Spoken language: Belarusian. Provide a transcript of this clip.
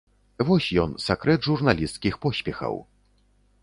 Вось ён, сакрэт журналісцкіх поспехаў!